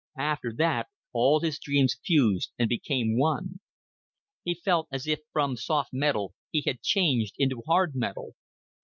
After that all his dreams fused and became one. He felt as if from soft metal he had changed into hard metal.